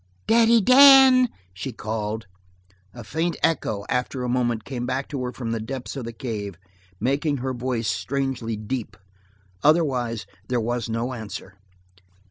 "Daddy Dan!" she called. A faint echo, after a moment, came back to her from the depths of the cave, making her voice strangely deep. Otherwise, there was no answer.